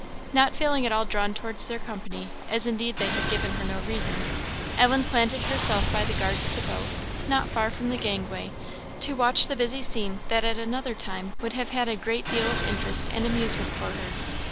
Not feeling at all drawn towards their company, as indeed they had given her no reason, Ellen planted herself by the guards of the boat, not far from the gangway, to watch the busy scene that at another time would have had a great deal of interest and amusement for her.